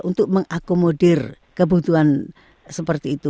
untuk mengakomodir kebutuhan seperti itu